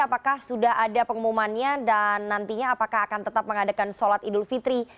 apakah sudah ada pengumumannya dan nantinya apakah akan tetap mengadakan sholat idul fitri